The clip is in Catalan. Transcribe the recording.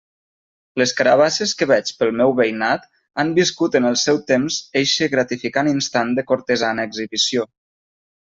Les carabasses que veig pel meu veïnat han viscut en el seu temps eixe gratificant instant de cortesana exhibició.